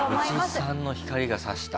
おじさんの光が差した。